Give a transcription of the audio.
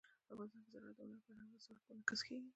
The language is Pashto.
افغانستان کې زراعت د هنر په اثار کې منعکس کېږي.